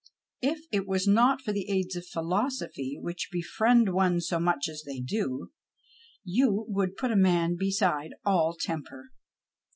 If it was not for the aids of philosophy, which befriend one so much as they do, you would put a man beside all temper.